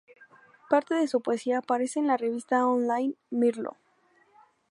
Parte de su poesía aparece en la revista online "Mirlo".